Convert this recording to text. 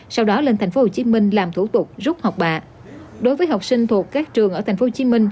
sau đó lên tp hcm làm thủ tục rút học bạ đối với học sinh thuộc các trường ở tp hcm